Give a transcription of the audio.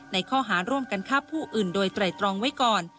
ในข้อหาร่วมกันฆ่าผู้อื่นโดยไตรตรองไว้ก่อน